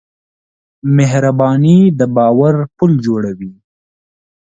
مهرباني د باور پُل جوړوي.